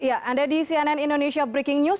ya anda di cnn indonesia breaking news